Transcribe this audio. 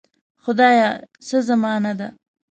خدایه څه زمانه ده.